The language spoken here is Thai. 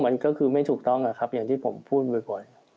มันก็คือไม่ถูกต้องอะครับอย่างที่ผมพูดบ่อย